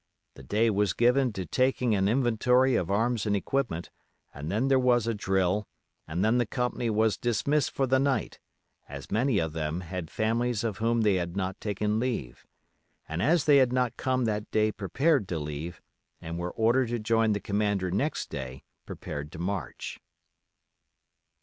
The day was given to taking an inventory of arms and equipment, and then there was a drill, and then the company was dismissed for the night, as many of them had families of whom they had not taken leave, and as they had not come that day prepared to leave, and were ordered to join the commander next day, prepared to march.